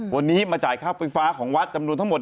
วันนี้มาจ่ายค่าไฟฟ้าของวัดจำนวนทั้งหมด